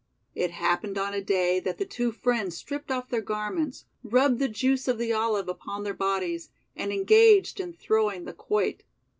It happened on a day that the two friends stripped off their garments, rubbed the juice of the olive upon their bodies, and engaged in throwing the quoit.